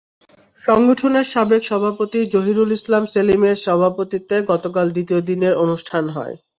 সংগঠনের সাবেক সভাপতি জহিরুল ইসলাম সেলিমের সভাপতিত্বে গতকাল দ্বিতীয় দিনের অনুষ্ঠান হয়।